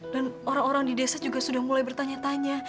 dan orang orang di desa juga sudah mulai bertanya tanya